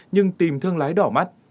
nhưng tìm thương lái đỏ mắt